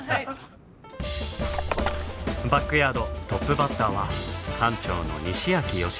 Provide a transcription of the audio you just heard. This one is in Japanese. バックヤードトップバッターは館長の西秋良宏さん。